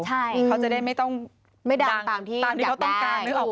ใช่เขาจะได้ไม่ต้องดังตามที่เขาต้องการนึกออกปะ